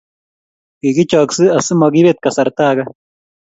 Kigichokchi asi makibet kasarta ake.